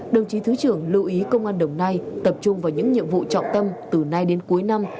đồng chí thứ trưởng lưu ý công an đồng nai tập trung vào những nhiệm vụ trọng tâm từ nay đến cuối năm